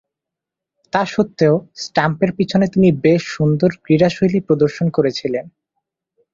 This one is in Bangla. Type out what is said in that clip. তাসত্ত্বেও, স্ট্যাম্পের পিছনে তিনি বেশ সুন্দর ক্রীড়াশৈলী প্রদর্শন করছিলেন।